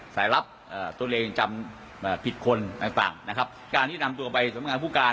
สายลับตัวเองจำผิดคนต่างนะครับการที่นำตัวไปสำงานผู้การ